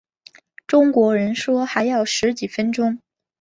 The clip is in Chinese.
中国人说还要十几分钟